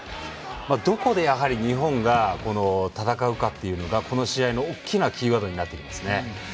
どこでやはり日本が戦うかというのがこの試合の大きなキーワードになってきますね。